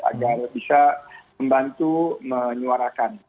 agar bisa membantu menyuarakan